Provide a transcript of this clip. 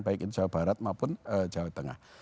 baik itu jawa barat maupun jawa tengah